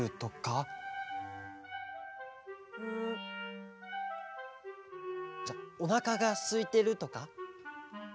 ぐ！じゃおなかがすいてるとか？